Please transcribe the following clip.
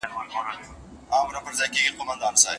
الله تعالی د مشروعو شيانو منع حرامه کړې ده.